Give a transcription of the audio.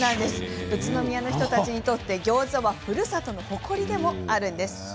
宇都宮の人たちにとってギョーザはふるさとの誇りでもあるんです。